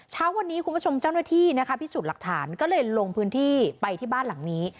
เช้าวันนี้คุณผู้ชมเจ้าหน้าที่นะคะพิสูจน์หลักฐานก็เลยลงพื้นที่ไปที่บ้านหลังนี้